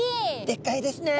でっかいですね。